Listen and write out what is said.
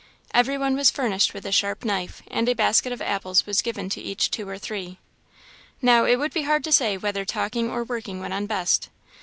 Every one was furnished with a sharp knife, and a basket of apples was given to each two or three. Now it would be hard to say whether talking or working went on best.